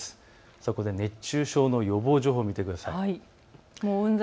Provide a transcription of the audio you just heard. そこで熱中症の予防情報を見てください。